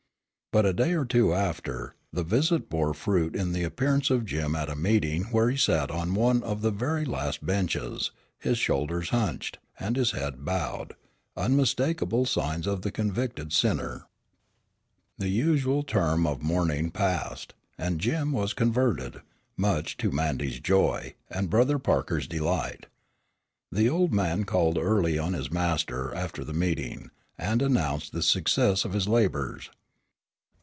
But a day or two after, the visit bore fruit in the appearance of Jim at meeting where he sat on one of the very last benches, his shoulders hunched, and his head bowed, unmistakable signs of the convicted sinner. The usual term of mourning passed, and Jim was converted, much to Mandy's joy, and Brother Parker's delight. The old man called early on his master after the meeting, and announced the success of his labors.